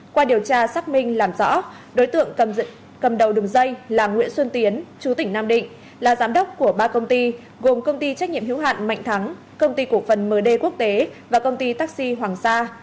qua điều tra xác minh làm rõ đối tượng cầm đầu đường dây là nguyễn xuân tiến chú tỉnh nam định là giám đốc của ba công ty gồm công ty trách nhiệm hiếu hạn mạnh thắng công ty cổ phần md quốc tế và công ty taxi hoàng sa